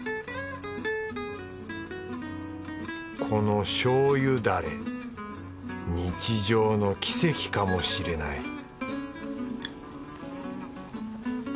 この醤油だれ日常の奇跡かもしれない